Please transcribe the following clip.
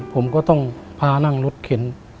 ผมก็ต้องพานั่งรถเข็น